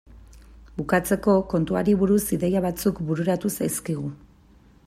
Bukatzeko, kontuari buruz ideia batzuk bururatu zaizkigu.